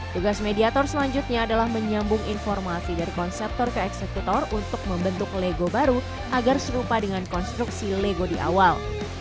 tugas mediator selanjutnya adalah menyambung informasi dari konseptor ke eksekutor untuk membentuk lego baru agar serupa dengan konstruksi lego di awal